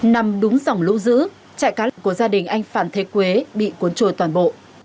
nằm đúng dòng lũ giữ chạy cá lũ của gia đình anh phản thế quế bị cuốn trôi toàn bộ